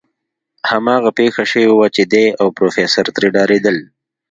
هماغه پېښه شوې وه چې دی او پروفيسر ترې ډارېدل.